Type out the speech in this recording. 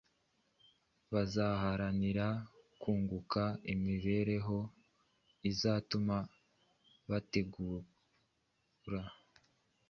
Bazaharanira kunguka imibereho izatuma bategura,